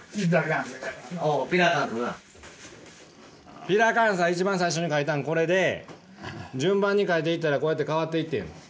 ピラカンサ一番最初に描いたんこれで順番に描いていったらこうやって変わっていってん。